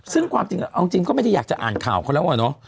ซึ่งความจริงเอาจริงก็ไม่ได้อยากจะอ่านข่าวเขาแล้วอะเนาะ